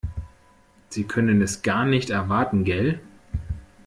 Sie können es gar nicht erwarten, gell?